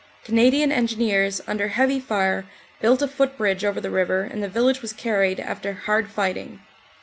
Canadian Engineers under heavy fire built a footbridge over the river and the village was carried after hard fighting.